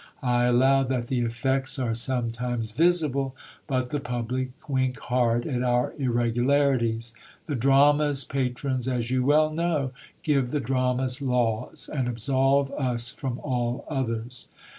I allow that the effects are sometimes visible, but the public wink hard at our irregularities ; the drama's patrons, as you well know, give the drama's laws, and absolve us from all others.